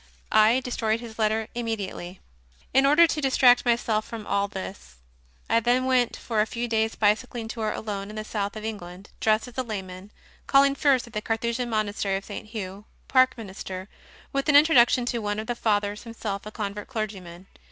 I destroyed his letter immediately. 124 CONFESSIONS OF A CONVERT 4. In order to distract myself from all this, I then went for a few days bicycling tour alone in the south of England, dressed as a layman, calling first at the Carthusian Monastery of St. Hugh, Park minster, with an introduction to one of the Fathers, himself a convert clergyman.